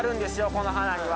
この花には。